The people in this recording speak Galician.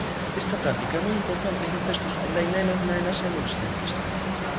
Esta práctica é moi importante en contextos onde hai nenos nenas e adolescentes.